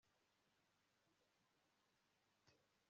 Gakwaya yanyemeje ko Mariya yavuze ukuri